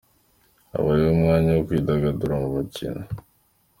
Habayeho umwanya wo kwidagadura mu mikino.